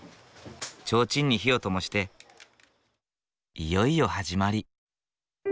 ちょうちんに火をともしていよいよ始まり。